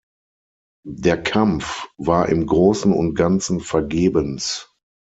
Der Kampf war im Großen und Ganzen vergebens.